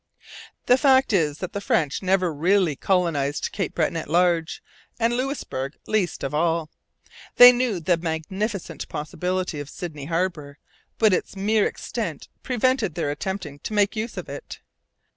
The fact is that the French never really colonized Cape Breton at large, and Louisbourg least of all. They knew the magnificent possibilities of Sydney harbour, but its mere extent prevented their attempting to make use of it.